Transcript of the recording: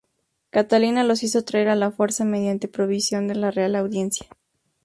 Catalina los hizo traer a la fuerza mediante provisión de la Real Audiencia.